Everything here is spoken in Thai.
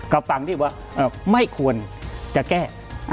กับฝั่งที่ว่าไม่ควรจะแก้